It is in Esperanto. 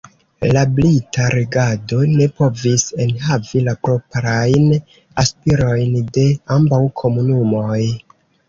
La brita regado ne povis enhavi la proprajn aspirojn de ambaŭ komunumoj.